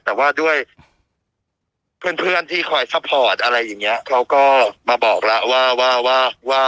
แต่ว่าด้วยเพื่อนเพื่อนที่คอยซัพพอร์ตอะไรอย่างเงี้ยเขาก็มาบอกแล้วว่าว่าว่า